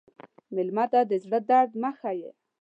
مېلمه ته د زړه درد مه ښیې.